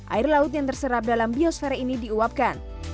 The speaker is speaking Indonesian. air laut yang terserap dalam biosfer ini diuapkan